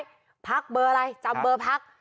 พักเบอร์อะไรจำเบอร์พัก